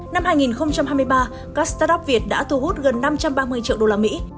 năm hai nghìn hai mươi ba các start up việt đã thu hút gần năm trăm ba mươi triệu đô la mỹ